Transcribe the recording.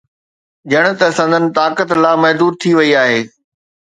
ڄڻ ته سندن طاقت لامحدود ٿي وئي آهي.